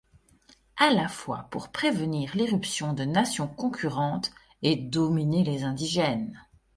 À la fois pour prévenir l'irruption de nations concurrentes et dominer les indigènes.